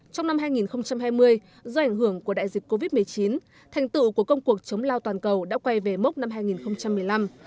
trong năm hai nghìn hai mươi do ảnh hưởng của đại dịch covid một mươi chín thành tựu của công cuộc chống lao toàn cầu đã quay về mốc năm hai nghìn một mươi năm